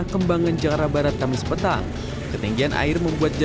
bebika nanti berlari lubang parkasi adanya dalam guset di awal liegt ini